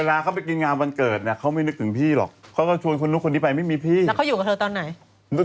แล้วเขาอยู่กับเธอตอนไหน